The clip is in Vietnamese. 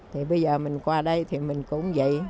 thì bây giờ mình qua đây thì mình cũng vậy